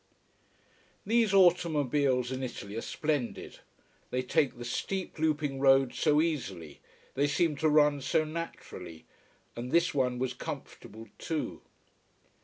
These automobiles in Italy are splendid. They take the steep, looping roads so easily, they seem to run so naturally. And this one was comfortable, too.